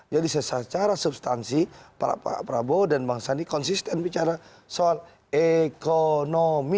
jadi secara substansi pak prabowo dan bang sandi konsisten bicara soal ekonomi